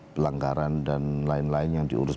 pelanggaran dan lain lain yang diurus